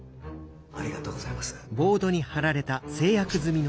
ありがとうございます。